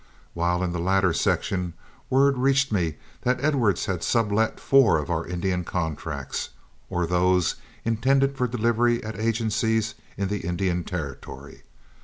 While in the latter section, word reached me that Edwards had sublet four of our Indian contacts, or those intended for delivery at agencies in the Indian Territory.